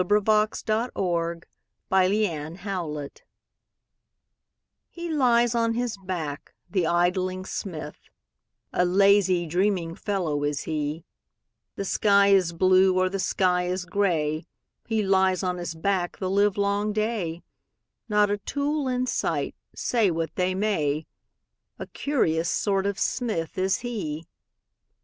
Helen Hunt Jackson The Poet's Forge HE lies on his back, the idling smith, A lazy, dreaming fellow is he; The sky is blue, or the sky is gray, He lies on his back the livelong day, Not a tool in sight, say what they may, A curious sort of smith is he.